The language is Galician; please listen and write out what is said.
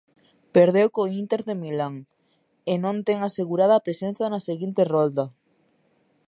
Perdeu co Inter de Milán, e non ten asegurada a presenza na seguinte rolda.